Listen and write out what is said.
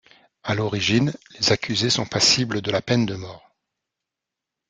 À l'origine, les accusés sont passibles de la peine de mort.